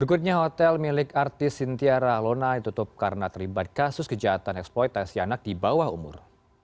berikutnya hotel milik artis sintiara lona ditutup karena terlibat kasus kejahatan eksploitasi anak di bawah umur